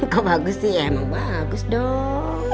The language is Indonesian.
kok bagus sih emang bagus dong